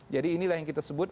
jadi inilah yang kita sebut